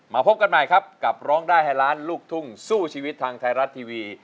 พบกันใหม่ครับกับร้องได้ให้ล้านลูกทุ่งสู้ชีวิตทางไทยรัฐทีวี